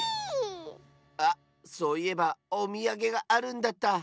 あっそういえばおみやげがあるんだった。